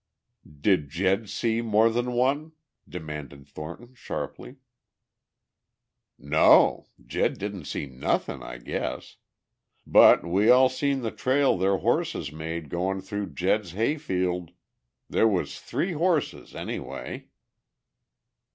"Did Jed see more than one?" demanded Thornton sharply. "No. Jed didn't see nothin', I guess. But we all seen the trail their horses made goin' through Jed's hayfield. There was three horses any way."